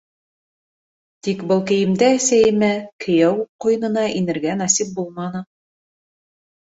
Тик был кейемдә әсәйемә кейәү ҡуйынына инергә насип булманы.